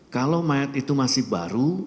kalau mayat itu masih baru